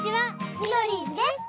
ミドリーズです！